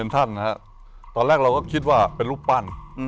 ตอนแรกเราก็คิดว่าเป็นลูกปั้น